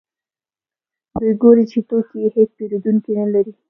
دوی ګوري چې توکي یې هېڅ پېرودونکي نلري